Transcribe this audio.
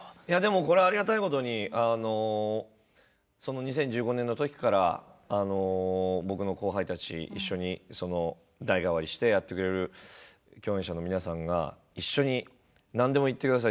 これは、ありがたいことに２０１５年の時から僕の後輩たち、一緒に代替わりしてやってくれる共演者の皆さん、一緒に何でも言ってください